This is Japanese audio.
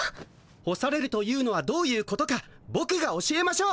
干されるというのはどういうことかボクが教えましょう。